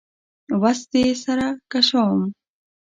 وس دي سره کشوم